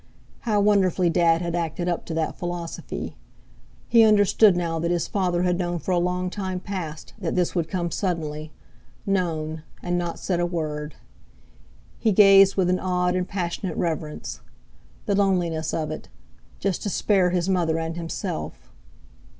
How wonderfully Dad had acted up to that philosophy! He understood now that his father had known for a long time past that this would come suddenly—known, and not said a word. He gazed with an awed and passionate reverence. The loneliness of it—just to spare his mother and himself!